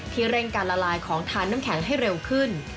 เร่งการละลายของทานน้ำแข็งให้เร็วขึ้น